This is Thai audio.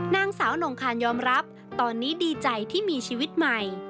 นางสาวนงคานยอมรับตอนนี้ดีใจที่มีชีวิตใหม่